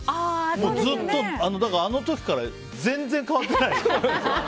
ずっとあの時から変わってない。